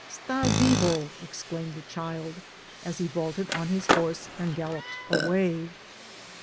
*^ Std Tivo!" exclaimed the child, as he vaulted on his horse, and galloped away.